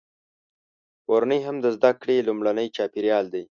کورنۍ هم د زده کړې لومړنی چاپیریال دی.